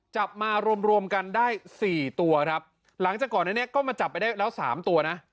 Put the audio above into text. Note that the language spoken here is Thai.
จับมารวมรวมกันได้สี่ตัวครับหลังจากก่อนนั้นเนี่ยก็มาจับไปได้แล้วสามตัวนะ